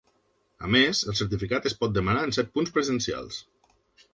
A més, el certificat es pot demanar en set punts presencials.